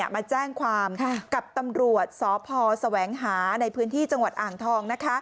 มาแจ้งความกับตำรวจสพแสวงหาในพื้นที่จังหวัดอ่างทอง